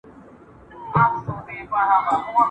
وږی ګرځي خو مغرور لکه پاچا وي ..